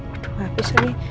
aduh habis ini